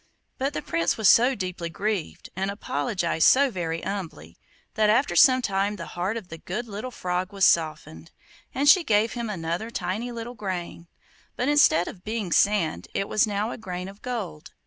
But the Prince was so deeply grieved, and apologised so very humbly, that after some time the heart of the good little Frog was softened, and she gave him another tiny little grain, but instead of being sand it was now a grain of gold.